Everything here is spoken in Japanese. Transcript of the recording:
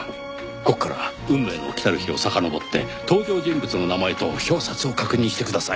ここから『運命の来たる日』をさかのぼって登場人物の名前と表札を確認してください。